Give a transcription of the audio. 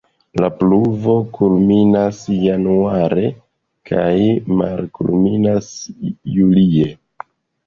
La pluvo kulminas januare kaj malkulminas julie.